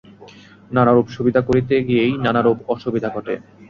নানারূপ সুবিধা করিতে গিয়াই নানারূপ অসুবিধা ঘটে।